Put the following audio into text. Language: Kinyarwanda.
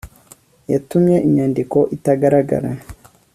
yatumye inyandiko itagaragara